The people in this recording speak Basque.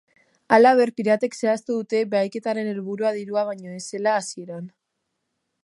Halaber, piratek zehaztu dute bahiketaren helburua dirua baino ez zela hasieran.